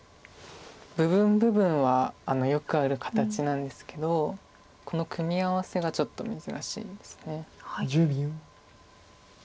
部分部分はよくある形なんですけどこの組み合わせがちょっと珍しいです。